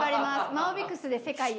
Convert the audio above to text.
マオビクスで世界を。